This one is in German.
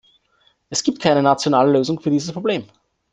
Es gibt keine nationale Lösung für dieses Problem.